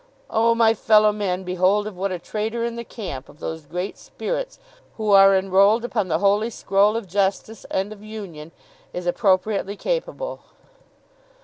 'Oh, my fellow men, behold of what a traitor in the camp of those great spirits who are enrolled upon the holy scroll of Justice and of Union, is appropriately capable!